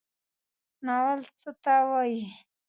ناول څه ته وایي؟